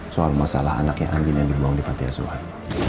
soal masalah anaknya angin yang dibuang di pantai asuhan